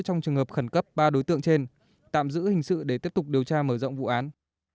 trong trường hợp khẩn cấp ba đối tượng trên tạm giữ hình sự để tiếp tục điều tra mở rộng vụ án